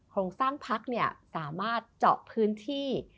โครงสร้างพักสามารถเจาะพื้นที่